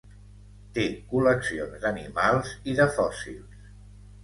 Té col·leccions d'animals i de fòssils.